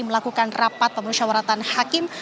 melakukan rapat pemerintah waratan hakim